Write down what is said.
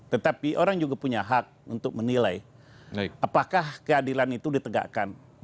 tetapi orang juga punya hak untuk menilai apakah keadilan itu ditegakkan